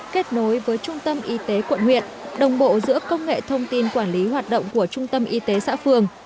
kết nối với trung tâm y tế quận huyện đồng bộ giữa công nghệ thông tin quản lý hoạt động của trung tâm y tế xã phường